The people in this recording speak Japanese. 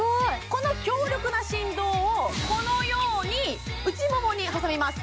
この強力な振動をこのように内ももに挟みます